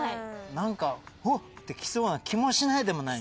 何か「おっ」ってきそうな気もしないでもない。